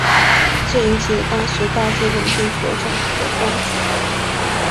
这引起了当时大日本帝国政府的关注。